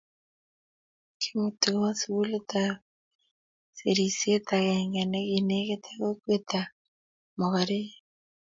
Kiimuti kowo sukulitap serisiet agenge nekinegit ak kokwetab mogorek